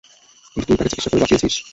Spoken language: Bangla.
কিন্তু তুই তাকে চিকিৎসা করে বাঁচিয়েছিস?